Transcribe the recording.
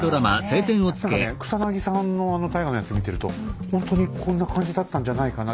何かね草さんのあの大河のやつ見てるとほんとにこんな感じだったんじゃないかな。